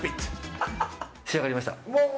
仕上がりました。